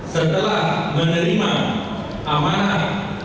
setelah menerima amanat